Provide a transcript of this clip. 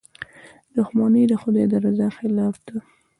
• دښمني د خدای د رضا خلاف ده.